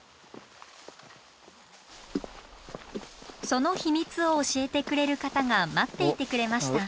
その秘密を教えてくれる方が待っていてくれました。